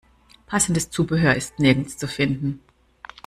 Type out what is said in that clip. Passendes Zubehör ist nirgends zu finden.